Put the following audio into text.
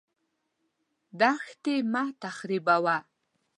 دښتې مه تخریبوه.